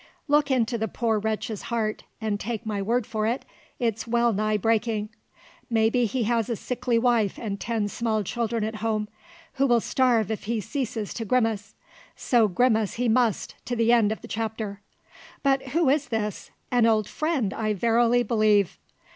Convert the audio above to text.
Look into the poor wretch's heart, and, take my word for it, it's well nigh breaking. Maybe he has a sickly wife and ten small children at home, who will starve if he ceases to grimace: so grimace he must to the end of the chapter. But who is this? An old friend, I verily believe!"